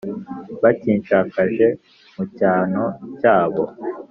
Bakinshakaje mu cyano cyabo